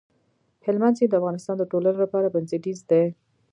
هلمند سیند د افغانستان د ټولنې لپاره بنسټيز دی.